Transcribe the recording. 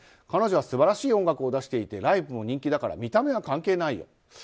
彼女は素晴らしい音楽を出していてライブも人気だから見た目は関係ないよ。